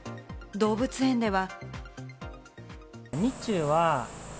動物園では。